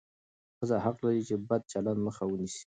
ښځه حق لري چې د بد چلند مخه ونیسي.